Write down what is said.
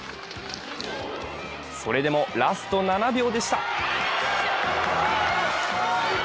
それでも、ラスト７秒でした。